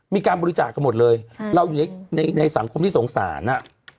มีการบริจาคกันหมดเลยเราอยู่ในสังคมที่สงสาร